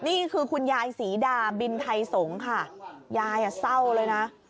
นี่คือคุณยายศรีดาบินไทยสงศ์ค่ะยายเศร้าเลยนะ